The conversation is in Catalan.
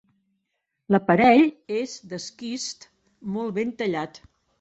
L'aparell és d'esquist molt ben tallat.